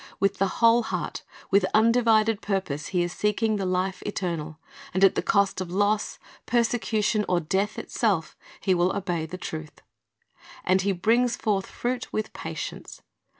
With the whole heart, with undivided purpose, he is seeking the life eternal, and at the cost of loss, persecution, or death itself, he will obey the truth. And he brings forth fruit "with patience."